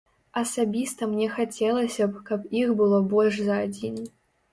Асабіста мне хацелася б, каб іх было больш за адзін.